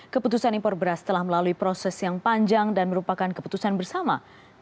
keputusan impor beras telah melalui proses yang panjang dan merupakan keputusan bersama